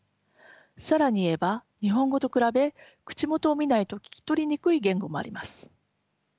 更に言えば日本語と比べ口元を見ないと聞き取りにくい言語もあります。